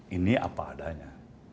ini apa adanya